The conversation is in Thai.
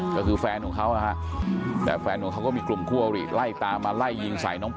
ก็คือแฟนของเขานะฮะแต่แฟนของเขาก็มีกลุ่มคู่อริไล่ตามมาไล่ยิงใส่น้องปอ